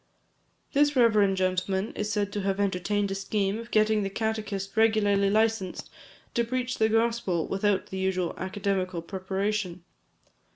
This reverend gentleman is said to have entertained a scheme of getting the catechist regularly licensed to preach the gospel without the usual academical preparation.